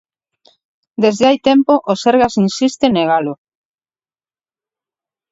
Desde hai tempo, o Sergas insiste en negalo.